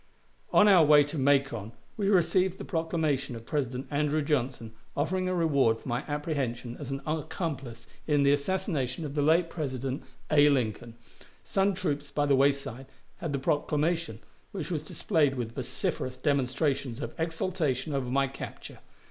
On our way to Macon we received the proclamation of President Andrew Johnson offering a reward for my apprehension as an accomplice in the assassination of the late President A. Lincoln. Some troops by the wayside had the proclamation, which was displayed with vociferous demonstrations of exultation over my capture.